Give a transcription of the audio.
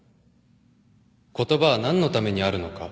言葉は何のためにあるのか。